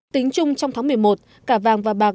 tính chung trong tháng một mươi một cả vàng và bạc